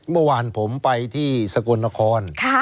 เมื่อวานผมไปที่สกลนคร